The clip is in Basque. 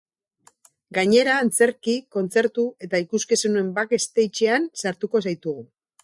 Gainera antzerki, kontzertu eta ikuskizunen baskstagean sartuko zaitugu.